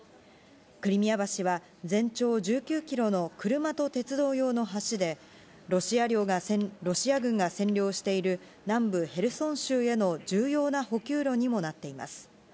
クリミア橋は、全長１９キロの車と鉄道用の橋で、ロシア軍が占領している南部ヘルソン州への重要な補給路にもなっています。